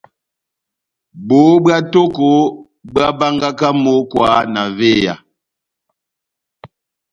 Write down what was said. Bohó bwá tóko bohábángaka mókwa na véya.